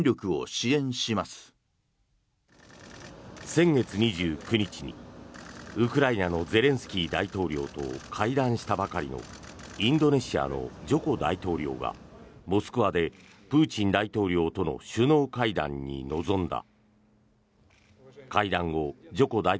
先月２９日にウクライナのゼレンスキー大統領と会談したばかりのインドネシアのジョコ大統領がモスクワでプーチン大統領との首脳会談に臨んだ。